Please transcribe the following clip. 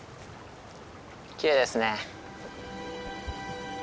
きれいですね。